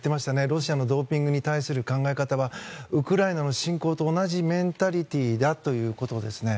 ロシアのドーピングに対する考え方はウクライナの侵攻と同じメンタリティーだということですね。